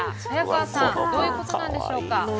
早川さんどういうことなんでしょうか。